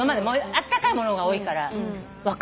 あったかいものが多いから分かんないのよ。